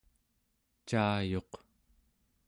caayuq